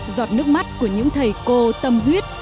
giọt nước mắt của những thầy cô tâm huyết